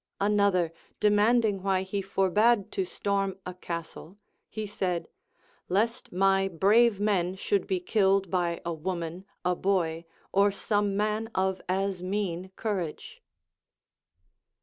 Another demanding why he for bade to storm a castle, he said. Lest my brave men should be killed by a woman, a boy, or some man of as mean courage.